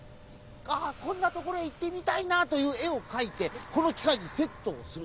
ああこんなところへいってみたいなというえをかいてこのきかいにセットをする。